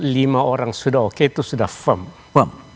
lima orang sudah oke itu sudah firm